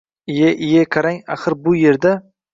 Ie, ie, qarang, axir bu yerda